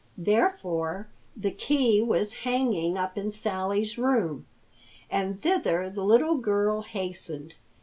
Therefore the key was hanging up in Sally's room, and thither the little girl hastened.